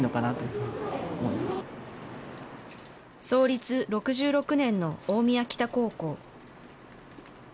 創立６６年の大宮北高校。